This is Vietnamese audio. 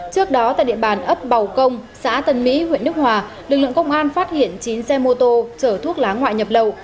trước đó tại địa bàn ấp bào công xã tân mỹ huyện đức hòa lực lượng công an phát hiện chín xe mô tô chở thuốc lá ngoại nhập lậu